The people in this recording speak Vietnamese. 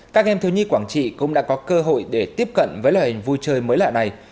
các em thiếu nhi quảng trị cũng đã có cơ hội để tiếp cận với loại hình vui chơi mới lạ này